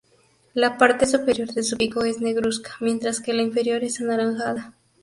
La parte superior de su pico es negruzca mientras que la inferior es anaranjada.